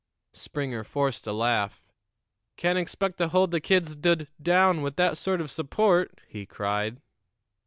Springer forced a laugh. "Can't expect to hold the kids dud down with that sort of support," he cried.